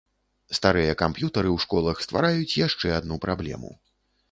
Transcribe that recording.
Старыя камп'ютары ў школах ствараюць яшчэ адну праблему.